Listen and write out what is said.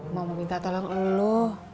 mau minta tolong elu